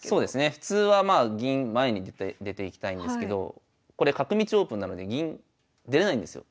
普通はまあ銀前に出ていきたいんですけどこれ角道オープンなので銀出れないんですよ